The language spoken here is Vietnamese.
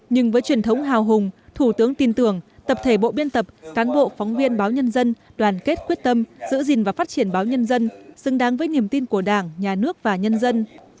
nhưng với truyền thống hào hùng thủ tướng tin tưởng tập thể bộ biên tập cán bộ phóng viên báo nhân dân đoàn kết quyết tâm giữ gìn và phát triển báo nhân dân xứng đáng với niềm tin của đảng nhà nước và nhân dân